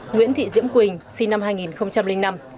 nguyễn thị diễm quỳnh sinh năm hai nghìn năm